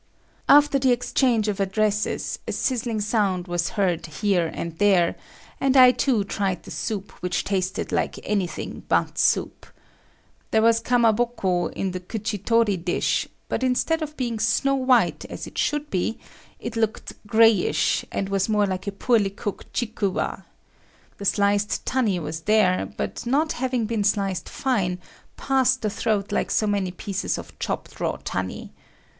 After the exchange of addresses, a sizzling sound was heard here and there, and I too tried the soup which tasted like anything but soup. There was kamaboko in the kuchitori dish, but instead of being snow white as it should be, it looked grayish, and was more like a poorly cooked chikuwa. The sliced tunny was there, but not having been sliced fine, passed the throat like so many pieces of chopped raw tunny.